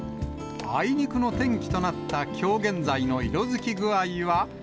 あいにくの天気となった、きょう現在の色づき具合は。